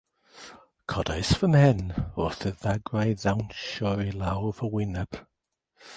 Codais fy mhen wrth i'r dagrau ddawnsio i lawr fy wyneb.